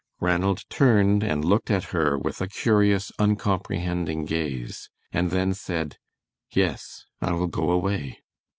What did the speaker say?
Ranald turned and looked at her with a curious uncomprehending gaze, and then said, "Yes, I will go away."